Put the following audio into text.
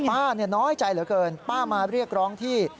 น้อยใจเหลือเกินป้ามาเรียกร้องที่